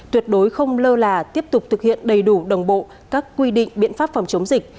tuyệt đối không lơ là tiếp tục thực hiện đầy đủ đồng bộ các quy định biện pháp phòng chống dịch